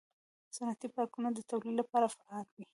صنعتي پارکونه د تولید لپاره فعال وي.